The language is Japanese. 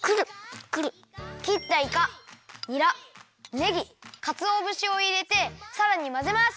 きったいかにらねぎかつおぶしをいれてさらにまぜます！